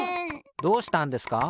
どうしたんですか？